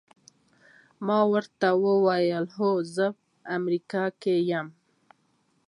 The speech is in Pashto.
ما ورته وویل: هو، زه امریکایی یم.